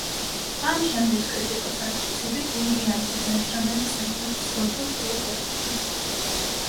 ამ ჟანრის კრიტიკოსთა მტკიცებით უილიამსის ნაშრომები სამხრეთის გოთურ სტილს ეკუთვნის.